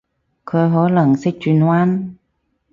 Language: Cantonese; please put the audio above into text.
佢可能識轉彎？